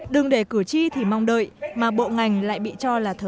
đừng để cử tri thì mong đợi mà bộ ngành lại bị cho là thờ ơ